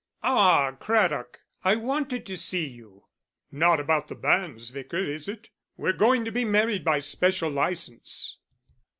"Ah, Craddock, I wanted to see you." "Not about the banns, Vicar, is it? We're going to be married by special license."